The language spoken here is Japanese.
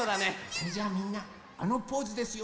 それじゃみんなあのポーズですよ。